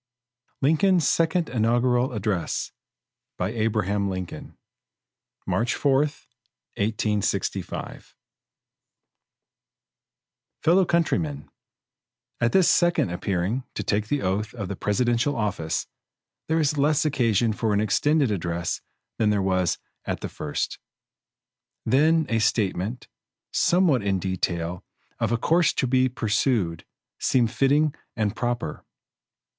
Lincoln's Second Inaugural Address March 4, 1865 Fellow countrymen: At this second appearing to take the oath of the presidential office, there is less occasion for an extended address than there was at the first. Then a statement, somewhat in detail, of a course to be pursued, seemed fitting and proper.